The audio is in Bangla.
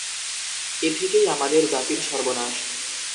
এ থেকেই আমাদের জাতির সর্বনাশ।